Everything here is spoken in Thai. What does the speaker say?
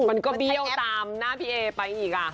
มันก็เบี้ยวตามหน้าพี่เอไปอีก